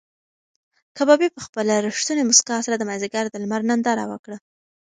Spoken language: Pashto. کبابي په خپله رښتونې موسکا سره د مازدیګر د لمر ننداره وکړه.